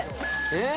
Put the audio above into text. えっ？